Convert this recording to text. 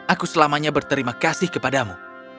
aku selamanya berterima kasih kepadamu